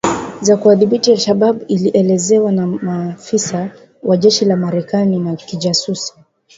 za kuwadhibiti alShabaab ilielezewa na maafisa wa jeshi la Marekani na kijasusi